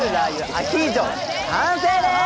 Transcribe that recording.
アヒージョ完成でーす！